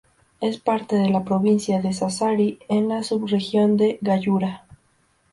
Es parte de la provincia de Sassari, en la sub-región de Gallura.